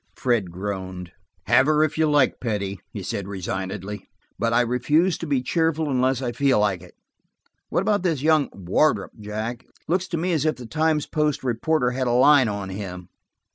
Fred groaned. "Have her if you like, petty," he said resignedly, "but I refuse to be cheerful unless I feel like it. What about this young Wardrop, Jack? It looks to me as if the Times Post reporter had a line on him."